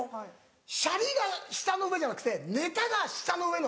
シャリが舌の上じゃなくてネタが舌の上のほうが。